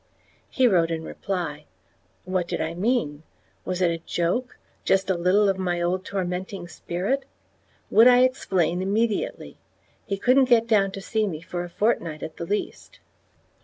He wrote in reply: What did I mean? Was it a joke just a little of my old tormenting spirit? Would I explain immediately? He couldn't get down to see me for a fortnight at the least.